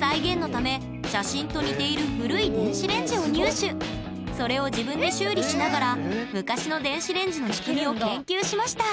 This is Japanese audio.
再現のため写真と似ているそれを自分で修理しながら昔の電子レンジの仕組みを研究しました